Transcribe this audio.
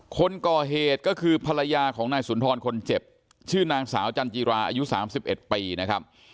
คนก่อเหตุก็คือภรรยาของนายสุนทรคนเจ็บชื่อนางสาวจันจิราอายุ๓๑ปีนะครับ